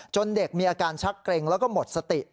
เด็กมีอาการชักเกร็งแล้วก็หมดสติ